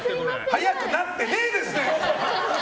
速くなってねえです！